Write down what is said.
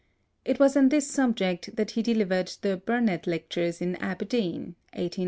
It was on this subject that he delivered the Burnett lectures in Aberdeen (1883 1885).